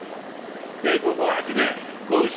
米国をはじめ、豪州、